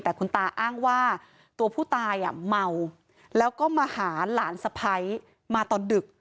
แต่คุณตาอ้างว่าตัวผู้ตายเมาแล้วก็มาหาหลานสะพ้ายมาตอนดึก